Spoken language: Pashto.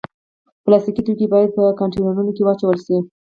پلاستيکي توکي باید په کانټینرونو کې واچول شي.